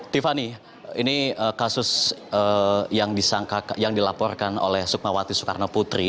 tiffany ini kasus yang dilaporkan oleh sukmawati soekarno putri